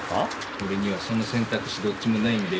俺にはその選択肢どっちもないんだよ。